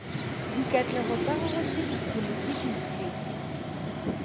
Dikatlego tsa gagwe tse dikgolo ke dife?